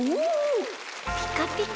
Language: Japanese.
ピカピカ！